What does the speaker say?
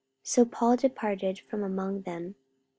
44:017:033 So Paul departed from among them.